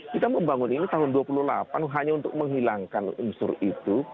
kita membangun ini tahun dua puluh delapan hanya untuk menghilangkan unsur itu